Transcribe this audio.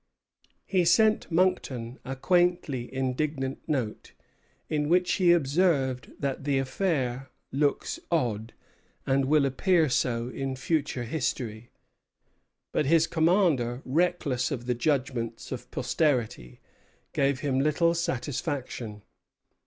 He sent Monckton a quaintly indignant note, in which he observed that the affair "looks odd, and will appear so in future history;" but his commander, reckless of the judgments of posterity, gave him little satisfaction.